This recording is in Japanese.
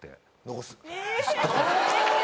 残す。